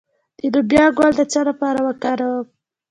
د لوبیا ګل د څه لپاره وکاروم؟